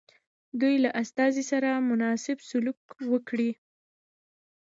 دوی له استازي سره مناسب سلوک وکړي.